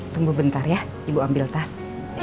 tunggu bentar ya ibu ambil tas